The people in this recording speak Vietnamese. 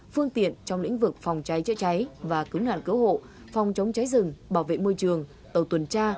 phương tiện trong lĩnh vực phòng cháy chữa cháy và cứu nạn cứu hộ phòng chống cháy rừng bảo vệ môi trường tàu tuần tra